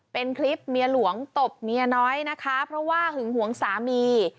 เป็นคลิปเมียหลวงตบเมียน้อยนะคะเพราะว่าหึงหวงสามี